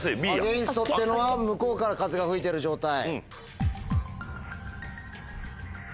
アゲンストっていうのは向こうから風が吹いてる状態。